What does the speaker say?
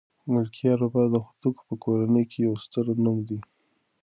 ملکیار بابا د هوتکو په کورنۍ کې یو ستر نوم دی